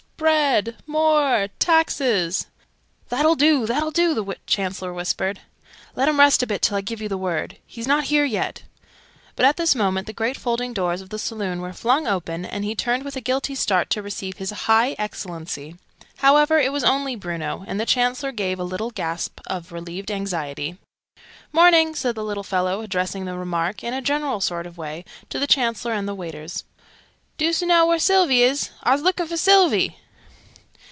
Bread! More! Taxes!" "That'll do, that'll do!" the Chancellor whispered. "Let 'em rest a bit till I give you the word. He's not here yet!" But at this moment the great folding doors of the saloon were flung open, and he turned with a guilty start to receive His High Excellency. However it was only Bruno, and the Chancellor gave a little gasp of relieved anxiety. "Morning!" said the little fellow, addressing the remark, in a general sort of way, to the Chancellor and the waiters. "Doos oo know where Sylvie is? I's looking for Sylvie!"